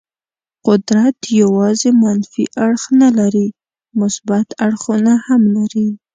قدرت یوازې منفي اړخ نه لري، مثبت اړخونه هم لري.